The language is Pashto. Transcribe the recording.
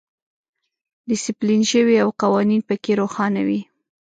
ډیسپلین شوی او قوانین پکې روښانه وي.